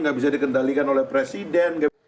nggak bisa dikendalikan oleh presiden